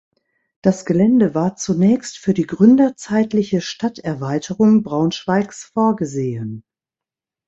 Das Gelände war zunächst für die gründerzeitliche Stadterweiterung Braunschweigs vorgesehen.